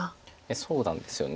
そうなんですよね。